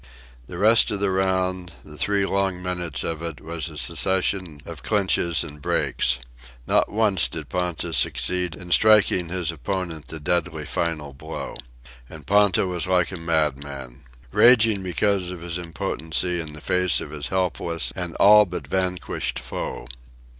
The rest of the round, the three long minutes of it, was a succession of clinches and breaks. Not once did Ponta succeed in striking his opponent the deadly final blow. And Ponta was like a madman, raging because of his impotency in the face of his helpless and all but vanquished foe.